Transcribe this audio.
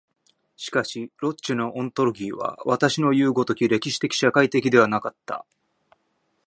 しかしロッチェのオントロギーは私のいう如き歴史的社会的ではなかった。